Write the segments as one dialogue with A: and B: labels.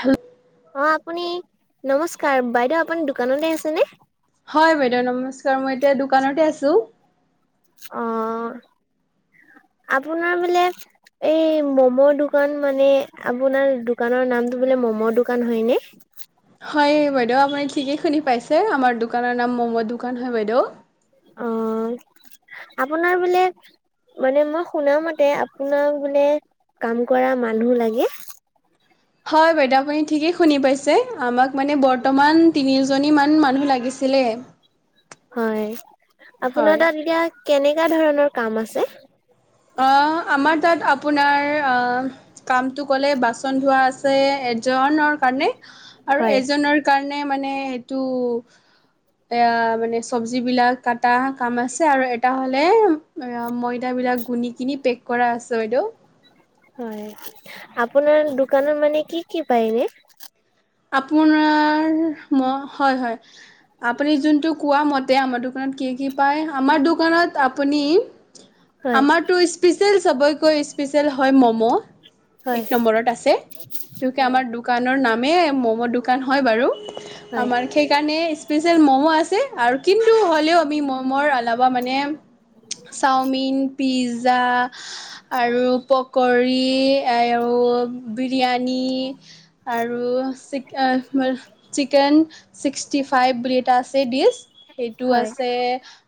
A: Hello
B: অ আপুনি নমস্কাৰ, বাইদেউ আপুনি দোকানতে আছেনে?
A: হয় বাইদেউ নমস্কাৰ। মই এতিয়া দোকানতে আছো।
B: অ আপোনাৰ বোলে এই ম'ম'ৰ দোকান মানে, আপোনাৰ দোকানৰ নামটো বোলে ম'ম দোকান হয় নে?
A: হয় বাইদেউ আপুনি ঠিকেই শুনি পাইছে, আমাৰ দোকানৰ নাম ম'ম' দোকান হয় বাইদেউ।
B: অ আপোনাৰ বোলে মানে মই শুনামতে আপোনাক বোলে কাম কৰা মানুহ লাগে?
A: হয় বাইদেউ আপুনি ঠিকেই শুনি পাইছে, আমাক মানে বৰ্তমান তিনিজনী মান মানুহ লাগিছিলে। [inaudible]
B: হয়,
A: হয়
B: আপোনাৰ তাত এতিয়া কেনেকা ধৰণৰ কাম আছে?
A: অ আমাৰ তাত আপোনাৰ অ কামটো ক'লে বাচন ধোৱা আছে এজনৰ কাৰণে আৰু
B: হয়
A: এজনৰ কাৰণে মানে এইটো এয়া মানে চবজি বিলাক কটা কাম আছে, আৰু এটা হ'লে অ ময়দা বিলাক কোনি কিনি পেক কৰা আছে বাইদেউ
B: হয়, আপোনাৰ দোকানত মানে কি কি পায় এনে?
A: আপোনাৰ ম হয় হয় আপুনি যোনটো কোৱা মতে আমাৰ দোকানত কি কি পায়, আমাৰ দোকানত আপুনি
B: হয়
A: আমাৰতো স্পেচিয়েল চবয়কৈ স্পেচিয়েল হয় ম'ম'
B: হয়
A: এক নম্বৰত আছে কিয়ুকি
B: হয়
A: আমাৰ দোক কানৰ নামে ম'ম' দোকান হয় বাৰু,
B: হয়
A: আমাৰ সেইকাৰণে স্পেচিয়েল ম'ম আছে, আৰু কিন্তু হ লেও আমি ম'মৰ এলাবা মানে চাওমিন, পিজ্জা আৰু প- কৰি, আৰু বিৰিয়ানী, আৰু [unintelligible] চিকেনি চিক্সটি ফাইভ বুলি এটা আছে ডিচ, সেইটো
B: হয়
A: আছে।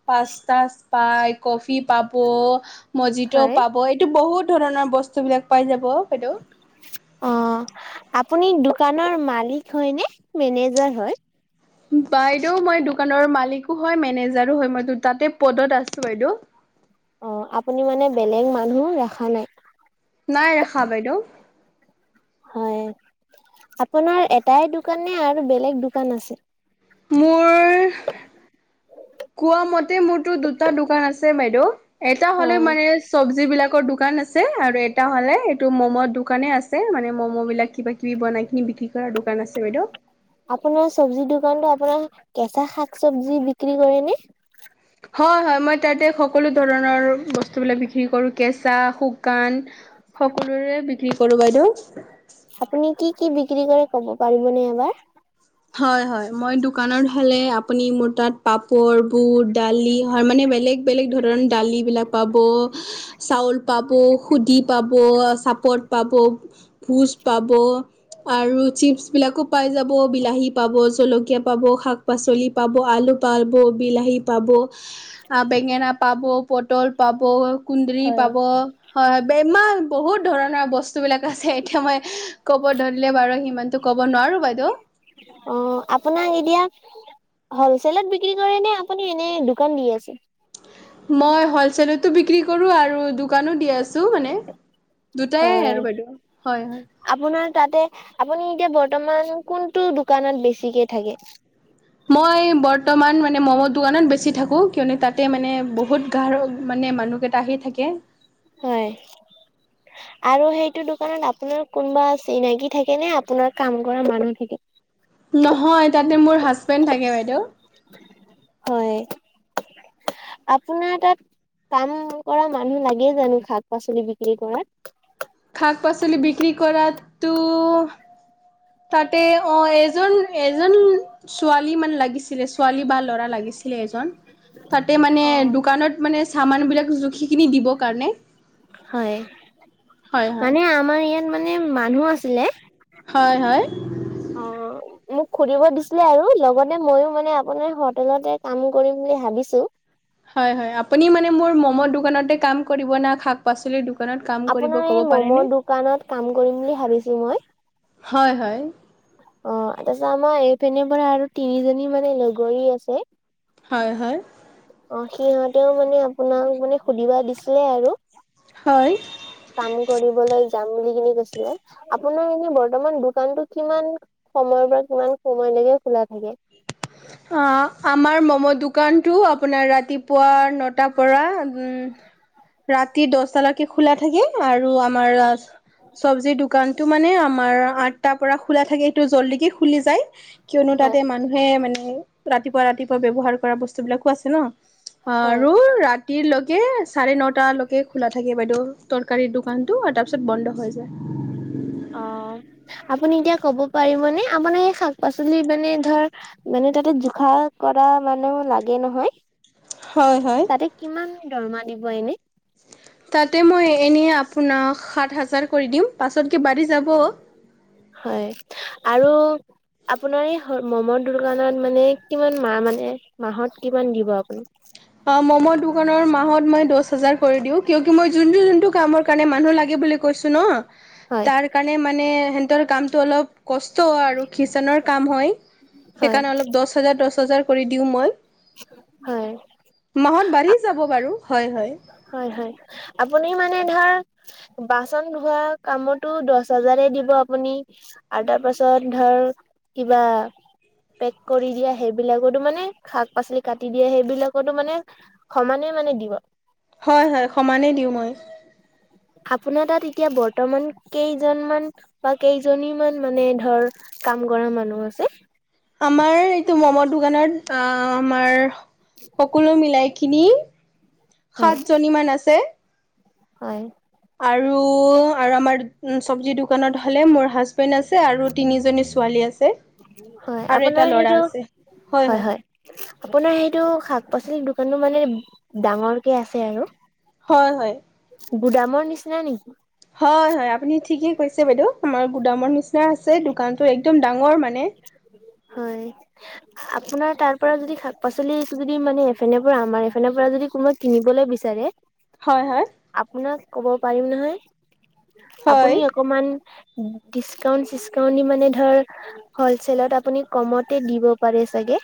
A: পাস্ত সাষ্ট পাই, কফি পাব, মজি'ত
B: হয়
A: পাব। এইটো বহুত ধৰণৰ বস্তুবিলাক পাই যাব বাইদেউ।
B: অ। আপুনি দোকানৰ মালিক হয় নে, মেনেজাৰ হয়?
A: বাইদেউ মই দোকানৰ মালিকো হয়, মেনেজাৰো হয়। মই দুটাতে পদত আছোঁ বাইদেউ।
B: অ। আপুনি মানে বেলেগ মানুহ ৰাখা নাই?
A: নাই ৰাখা বাইদেউ।
B: হয়, আপোনাৰ এটাই দোকান নে আৰু বেলেগ দোকান আছে?
A: মোৰ, কোৱা মতে মোৰতো দুটা দোকান আছে বাইদেউ। এটা হ'লে
B: হয়।
A: মানে চবজি বিলাকৰ দোকান আছ এ আৰু এটা হ'লে এইটো ম'ম' দোকানে আছে, মানে ম'ম' বিলাক কিবা কিবি বনাই কিনি বিক্ৰী- কৰা দোকান আছে বাইদেউ।
B: আপোনাৰ চব্জি দোকানতো আপোনাৰ কেঁচা শাক, চবজি বিক্ৰী কৰে নে?
A: হয় হয়। মই তাতে সকলো ধৰণৰ বস্তুবিলাক বিক্ৰী কৰোঁ। কেঁচা, শুকান। সকলোৰে বিক্ৰী কৰোঁ বাইদেউ।
B: আপুনি কি কি বিক্ৰী কৰে, ক'ব পাৰিবনে এবাৰ?
A: হয় হয়। মই দোকানত হ'লে আপুনি মোৰ তাত পাপৰ, বুট, দালি হয় মানে বেলেগ বেলেগ ধৰণ দালিবিলাক পাব। চাউল পাব, হোদি পাব, চাপত পাব, ভোজ পাব আৰু চিপছ বিলাকো পাই যাব। বিলাহী পাব, জলকীয়া পাব, শাক পাচলি পাব, আলু পাব, বিলাহী পাব, আ বেঙেনা পাব, পটল পাব, কোন্দলি
B: হয়।
A: পাব। হয়, বে ইমান বহুত ধৰণৰ বস্তুবিলাক আছে। এতিয়া মই ক'ব ধৰিলে বাৰু সিমানতো ক'ব নোৱাৰো বাইদেউ।
B: অ, আপোনাক এতিয়া হলচেলত বিক্ৰী কৰে নে? আপুনি এনেই দোকান দি আছে?
A: মই হ'লচেলতো বিক্ৰী কৰোঁ আৰু দোকানো দি আছোঁ মানে। দুটাই
B: হয়।
A: আৰু বাইদেউ। হয় হয়।
B: আপোনাৰ তাতে আপুনি, এতিয়া বৰ্তমান কোনটো দোকানত বেছিকে থাকে?
A: মই বৰ্তমান মানে ম'ম' দোকানত বেছি থাকোঁ। কিয়নো, তাতে মানে বহুত গাৰ মানে মানুহকে আহি থাকে।
B: হয়।
A: [inaudible]
B: আৰু সেইটো দোকানত আপোনাৰ কোনোবা চিনাকি থাকে নে? আপোনাৰ কাম কৰা মানুহ থাকে?
A: নহয়, তাতে মোৰ হাজবেণ্ড থাকে বাইদেউ।
B: হয়। আপোনাৰ তাত কাম কৰা মানুহ লাগে জানো শাক পাচলি বিক্ৰী কৰাত?
A: শাক পাচলি বিক্ৰী কৰাতটো তাতে অ এজন এজনী ছোৱালী মানে লাগিছিলে। ছোৱালী বা ল'ৰা লাগিছি আছিলে এজন। তাতে মানে দোকানত মানে চামান বিলাক জুখি কিনি দিব কাৰণে।
B: হয়।
A: হয় হয়
B: মানে আমাৰ ইয়াত মানে মানুহ আছিলে।
A: হয় হয়।
B: অ'
A: হয়
B: মোক খুুলিব দিছিলে আৰু লগতে মইয়ো মানে আপোনাৰ হোটেলতে কাম কৰিম বুলি ভাবিছোঁ
A: হয় হয় আপুনি মানে মোৰ ম'মৰ দোকানতে কাম কৰিব না শাক পাচলিৰ দোকান
B: আপোনাৰ এই মম' দোকানত কাম কৰিম বুলি ভাবিছোঁ মই
A: হয় হয়
B: অ তাৰ পিছত আমাৰ এইপিনৰ পৰা আৰু তিনিজনী মানে লগৰী আছে
A: হয় হয়
B: অ সিহঁতেও মানে আপোনাক মানে সুধিবা দিছিলে আৰু
A: হয়
B: কাম কৰিবলৈ যাম বুলি কিনি কৈছিলে আপোনাৰ এনেই বৰ্তমান দোকানতটো কিমান সময়ৰ পৰা কিমান সময় লৈকে খোলা থাকে
A: [unintelligible] অ আমাৰ ম'ম' দোকানটো আপোনাৰ ৰাতিপুৱা নতাৰ পৰা ৰাতি দহটালৈকে খোলা থাকে আৰু আমাৰ চব্জিৰ দোকানতটো মানে আমাৰ আঠটাৰ পৰা খোলা থাকে সেইটো জল্দিকেই খুলি যায় কিয়নো
B: হয়
A: তাতে মানুহে মানে ৰাতিপুৱা ৰাতিপুৱা ব্যৱহাৰ কৰা বস্তুবিলাকো আছে ন অ
B: হয়।
A: আৰু ৰাতি ৰাতিলৈকে চাৰে নটালৈকে খোলা থাকে বাইদেউ তৰকাৰীৰ দোকানতটো আৰু তাৰপিছত বন্ধ হৈ যায়
B: অ আপুনি এতিয়া কব পাৰিবনে আপোনাৰ এই শাক পাচলি মানে ধৰ মানে তাতে জোখা কৰা মানুহ লাগে নহয়
A: হয় হয়
B: তাতে কিমান দৰমহা দিব এনে
A: তাতে মই এনেই আপোনাক সাত হাজাৰ কৈ দিম পাছতকৈ বাঢ়ি যাব
B: হয় আৰু আপোনাৰ এই মমৰ দোকানত মানে কিমান মাহ মানে মাহত কিমান দিব আপুনি
A: অ মম দোকানৰ মাহত মই দহহাজাৰ কৰি দিও কিয়োকি মই যোনটো যোনটো কামৰ কাৰণে মানুহ লাগে বুলি কৈছো ন
B: হয়
A: তাৰ কাৰণে মানে সেতৰ কামটো অলপ কষ্ট আৰু কিচেনৰ কাম হয়
B: হয়
A: সেইকাৰণে অলপ দহ হাজাৰ দহ হাজাৰ কৰি দিওঁ মই
B: হয়
A: মাহত বাঢ়ি যাব বাৰু হয় হয়
B: হয় হয় আপুনি মানে ধৰ বাচন ধোৱা কামতো দহ হাজাৰে দিব আপুনি আৰু তাৰ পাছত ধৰ কিবা পেক কৰি দিয়া সেইবিলাকতো মানে শাক পাচলি কাটি দিয়া সেইবিলাকতো মানে সমানে মানে দিব
A: হয় হয় সমানেই দিও মই
B: আপোনাৰ তাত এতিয়া বৰ্তমান কেইজনমান বা কেইজনী মান মানে ধৰ কাম কৰা মানুহ আছে।
A: আমাৰ এইটো ম'মৰ দোকানত অ আমাৰ সকলো মিলাই কি খিনি
B: হয়
A: সাতজনীমান আছে
B: হয়
A: আৰু আৰু আমাৰ চবজি দোকানত হলে মোৰ হাজ [unintelligible] বেণ্ড আছে আৰু তিনিজনী ছোৱালী আছে
B: হয়
A: আৰু
B: আপোনাৰ
A: এটা
B: সেইটো
A: ল'ৰা আছে হয় হয়।
B: আপোনাৰ সেইটো শাক পাচলিৰ দোকানো মানে ডাঙৰকে আছে আৰু
A: হয় হয়
B: গুদামৰ নিচিনা নেকি
A: হয় হয় আপুনি ঠিকে কৈছে বাইদেউ আমাৰ গোদামৰ নিচনা আছে দোকানতো একদম ডাঙৰ মানে
B: হয় আপোনাৰ তাৰ পৰা যদি শাক পাচলি যদি মানে এফেনে পৰা আমাৰ এফেনৰ পৰা যদি কোনোবা কিনিবলৈ বিচাৰে
A: হয় হয়
B: আপোনাক ক'ব পাৰিম নহয়
A: হয়
B: আপুনি অকমান ডিচকাউন্ট চিচকাউণ্ট দি মানে ধৰ হলচেলত আপুনি কমতে দিব পাৰে চাগে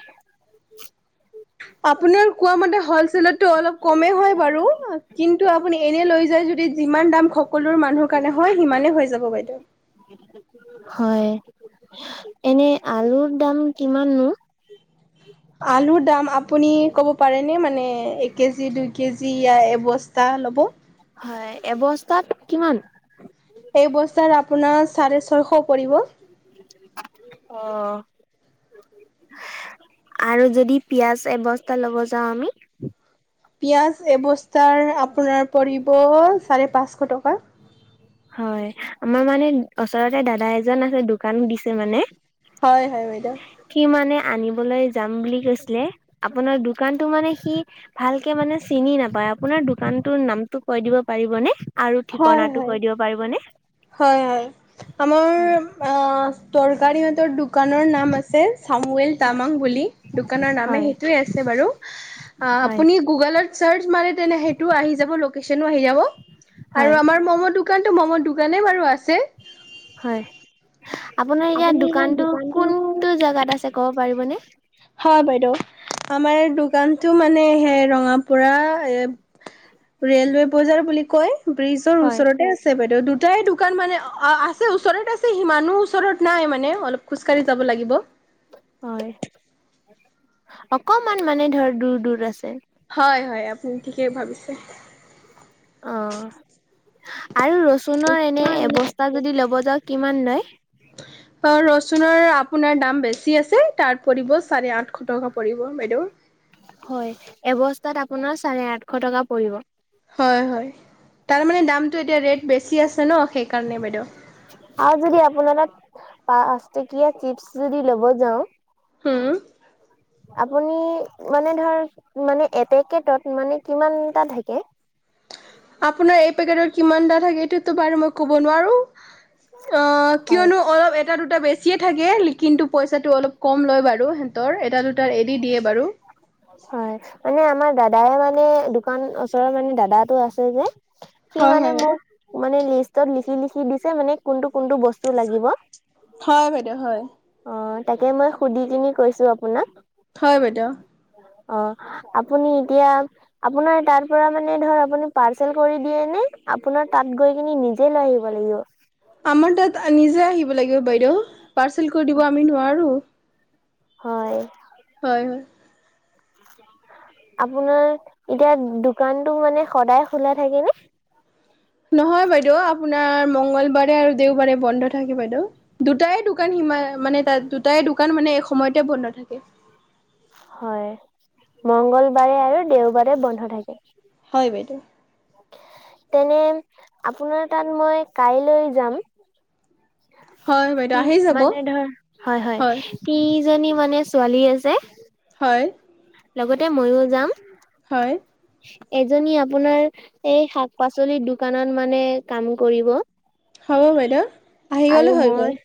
A: আপোনাৰ কোৱা মতে হ'লচেলততো অলপ কমেই হয় বাৰু কিন্তু আপুনি এনে লৈ যায় যদি যিমান দাম হক সকলো মানুহৰ কাৰণে হয় সিমানেই হৈ যাব বাইদেউ
B: হয় এনে আলুৰ দাম কিমাননো
A: আলুৰ দাম আপুনি ক'ব পাৰেনে মানে কেজি দুই কেজি ইয়া এবস্তা ল'ব
B: হয় এবস্তাত কিমান
A: এই বস্তাত আপোনাৰ চাৰে ছয়শ পৰিব
B: অহ আৰু যদি পিয়াজ এবস্তা ল'ব যাও আমি
A: পিঁয়াজ এবস্তাৰ আপোনাৰ পৰিব চাৰে পাঁচশ টকা
B: হয় আমাৰ মানে ওচৰতে দাদা এজন আছে দোকান দিছে মানে
A: হয় হয় বাইদেউ
B: সি মানে আনিবলৈ যাম বুলি কৈছিলে আপোনাৰ দোকানতো মানে সি ভালকে মানে চিনি নাপায় আপোনাৰ দোকানটোৰ নামটো কৈ দিব পাৰিবনে আৰু
A: হয়
B: ঠিকনাটো
A: হয়
B: কৈ দিব পাৰিবনে
A: হয় হয় আমাৰ
B: হয়
A: আ তৰকাৰীহঁতৰ দোকানৰ নাম আছে চামৱেল
B: হয়।
A: তামাং বুলি দোকানৰ নামে
B: হয়
A: সেইটোৱে আছে বাৰু আ
B: হয়
A: আপুনি গুগলত চাৰ্চ মাৰে তেনে সেইটো আহি যাব লোকেচনো আহি যাব আৰু
B: হয়
A: আমাৰ মম দোকানতো মম দোকানেই বাৰু আছে
B: হয় আপোনাৰ এতিয়া
A: আপুনি
B: দোকানতো
A: দোকানটো
B: কোনটো জোগাত আছে ক'ব পাৰিবনে।
A: হয় বাইদেউ আমাৰ দোকানতো মানে সেই ৰঙাপুৰা এ, ৰেলৱৈ বজাৰ বুলি কয় ব্ৰিজৰ
B: হয়।
A: ওচৰতে আছ ছে বাইদেউ দুটাই দোকান মানে আছে ওচৰত আছে সিমানো ওচৰত নাই মানে অলপ, খোজকাঢ়ি যাব লাগিব।
B: হয় অকমান মানে ধৰ দূৰ দূৰ আছে।
A: হয় হয় আপুনি ঠিকেই ভাবিছে।
B: অ আৰু ৰচুনৰ এনে এবস্তা যদি ল'ব যাওঁক কিমান লয়।
A: [inaudible] অ ৰচুনৰ আপোনাৰ দাম বেছি আছে তাত পৰিব চাৰে আঠশ টকা পৰিব বাইদেউ।
B: হয় এবস্তাত আপোনাৰ চাৰে আঠশ টকা পৰিব।
A: হয় হয় তাৰমানে দামটো এতিয়া ৰেট বেছি আছে ন সেইকাৰণে বাইদেউ।
B: আৰু যদি আপোনাৰ তাত পাঁচটকীয়া চিপচ যদি ল'ব যাও।
A: হোম
B: আপুনি মানে ধৰ মানে এপেকটত মানে কিমান এটা থাকে।
A: আপোনাৰ এই পেকেটৰ কিমানটা থাকে এইটো টো বাৰো মই ক'ব নোৱাৰো, অ
B: হয়।
A: কিয়নো অলপ এটা দুট টা বেছিয়ে থাকে কিন্তু পইচাটো অলপ কম লয় বাৰু সিহঁতৰ এটা দুটা এৰি দিয়ে বাৰু।
B: হয় মানে আমাৰ দাদাই মানে দোকান ওচৰৰ মানে দাদাটো আছে যে। সি
A: হয়
B: মানে
A: হয়
B: মোক মানে লিষ্টত লিখি লিখি দিছে মানে কোনটো কোনটো বস্তু লাগিব।
A: হয় বাইদেউ হয়।
B: অ তাকে মই সুধি কিনি কৈছো আপোনাক।
A: হয় বাইদেউ।
B: অ আপুনি এতিয়া আপোনাৰ তাৰ পৰা মানে ধৰ আপুনি পাৰ্চেল কৰি দিয়ে নে আপোনাৰ তাত গৈ কিন নিজে লৈ আহিব লাগিব।
A: আমাৰ তাত নিজে আহিব লাগিব বাইদেউ, পাৰ্চেল কৰি দিব আমি নোৱাৰো।
B: হয়।
A: হয় হয়।
B: আপোনাৰ এতিয়া দোকানটো মানে সদায় খোলা থাকে নে?
A: নহয় বাইদেউ আপোনাৰ মংগলবাৰে আৰু দেওবাৰে বন্ধ থাকে বাইদেউ। দুটাই দোকান সিমা মানে তাত দুটাই দোকান মানে এসময়তে বন্ধ থাকে।
B: হয়, মংগলবাৰে আৰু দেওবাৰে বন্ধ থাকে।
A: হয় বাইদেউ।
B: তেনে আপোনাৰ তাত মই কাইলৈ যাম।
A: হয় বাইদেউ
B: তি
A: আহি যাব
B: মানে ধৰ হয় হয়। তিনিজনী মানে ছোৱালী আছে।
A: হয়।
B: লগতে ময়ো যাম।
A: হয়।
B: এজনী আপোনাৰ এই শাক পাচলিৰ দোকানত মানে কাম কৰিব।
A: হ'ব বাইদেউ। আহি গ'লে
B: আৰু
A: হৈ গ'ল।
B: মই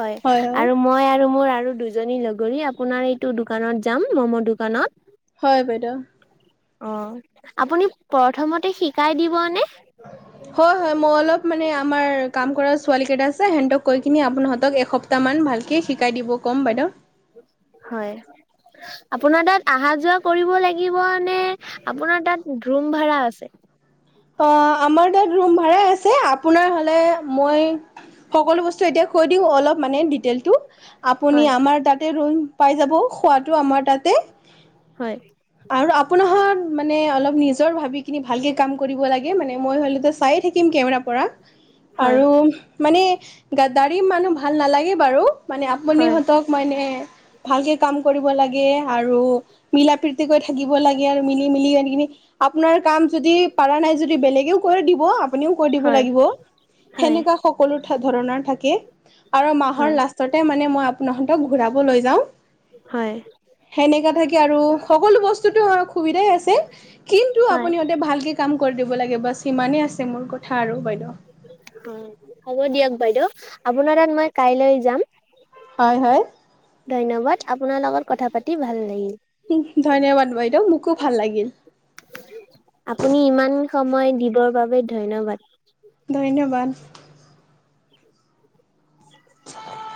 B: হয় আৰু মই আৰু মোৰ আৰু দুজ জনী লগৰী আপোনাৰ এইটো দোকানত যাম ম'ম' দোকানত।
A: হয় বাইদেউ।
B: অ আপুনি প্ৰথমতে শিকাই দিব নে?
A: [unintelligible] হয় হয় মই অলপ মানে আমাৰ কাম কৰা ছোৱালীকেইটা আছে সেহঁতক কৈ কিনি আপোনাহতক এসপ্তাহমান ভাল কে শিকাই দিব ক'ম বাইদেউ।
B: হয়। আপোনাৰ তাত আহা যোৱা কৰিব লাগিব নে, আপোনাৰ তাত ৰোম ভাড়া আছে?
A: অ আমাৰ তাত ৰোম ভাড়া আছে আপোনাৰ হলে মই সকলো বস্তু এতিয়া কৈ দিওঁ অলপ মানে ডিটেইলটো। আপুনি
B: হয়
A: আমাৰ তাতে ৰুম পাই যাব খোৱাটো আমাৰ তাতে
B: হয়।
A: আৰু আপোনাৰ‌হত মানে অলপ নিজৰ ভাবিকিনি ভালকে কাম কৰিব লাগে মানে মই হ'লেটো চায়ে থাকিম কেমেৰা পৰা
B: হয়
A: আৰু মানে গাদ্দাৰি মানুহ ভাল নালাগে বাৰু, মানে
B: হয়
A: আপুনিহতক মানে ভালকে কাম কৰিব লাগে আৰু মিলা প্ৰীতিকৈ থাকিব লাগে আৰু মিলি মিলি আনিকিনি আপোনাৰ কাম যদি পাৰা নাই যদি বেলেগ সিও কৰি দিব আপুনিও কৰি দিব
B: হয়
A: লাগিব।
B: হয়
A: সেনেকা সকলো ধ-ধৰণৰ থাকে আৰু মাহৰ
B: হয়।
A: লাষ্ট ছতে মানে মই আপোনহঁতক ঘূৰাব লৈ যাওঁ।
B: হয়।
A: সেনেকা থাকে আৰু সকলো বস্তুতো সুবিধাই আছে, কিন্তু
B: হয়
A: আপুনিহঁতে ভালকে কাম কৰি দিব লাগে, বাছ সিমানেই আছে মোৰ কথা আৰু বাইদ'।
B: অ' হ'ব দিয়ক বাইদেউ। আপোনাৰ তাত মই কাইলৈ যাম।
A: হয়, হয়।
B: ধন্যবাদ, আপোনাৰ লগত কথা পাতি ভাল লাগিল।
A: [unintelligible] ধন্যবাদ বাইদ', মোকো ভাল লাগিল।
B: আপুনি ইমান সময় দিবৰ বাবে ধন্যবাদ।
A: ধন্যবাদ। [inaudible]